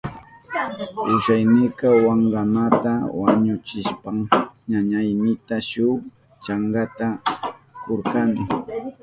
Kusaynika wankanata wañuchishpan ñañaynita shuk chankata kurkani.